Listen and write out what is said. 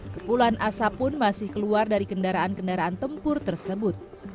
kepulan asap pun masih keluar dari kendaraan kendaraan tempur tersebut